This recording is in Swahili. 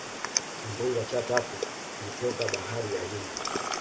Kimbunga cha tatu kilitoka bahari ya hindi